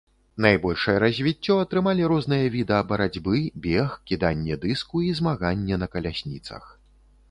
Найбольшае развіццё атрымалі розныя віда барацьбы, бег, кіданне дыску і змаганне на калясніцах.